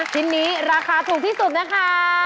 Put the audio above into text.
ชิ้นนี้ราคาถูกที่สุดนะคะ